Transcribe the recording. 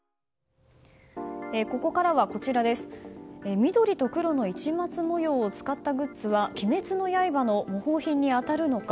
緑と黒の市松模様を使ったグッズは「鬼滅の刃」の模倣品に当たるのか。